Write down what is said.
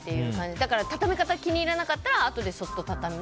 だから畳み方が気に入らなかったらあとでそっと畳んで。